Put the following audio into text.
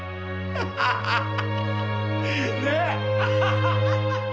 アハハハハ！